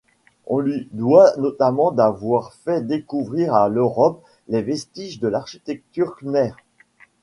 On lui doit notamment d'avoir fait découvrir à l'Europe les vestiges de l'architecture khmère.